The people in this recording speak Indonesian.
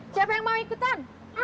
siapa yang mau ikutan